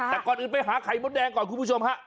แต่ก่อนอื่นไปหาไข่มดแดงก่อนคุณผู้ชมฮะ